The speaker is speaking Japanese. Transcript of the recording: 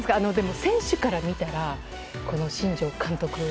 選手から見たらこの新庄監督。